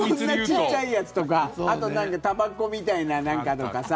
こんなちっちゃいやつとかあとたばこみたいな何かとかさ。